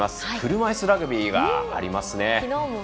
車いすラグビーがありますね。